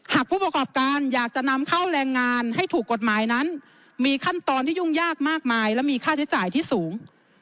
ผู้ประกอบการอยากจะนำเข้าแรงงานให้ถูกกฎหมายนั้นมีขั้นตอนที่ยุ่งยากมากมายและมีค่าใช้จ่ายที่สูง